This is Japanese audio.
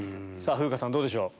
風花さんどうでしょう？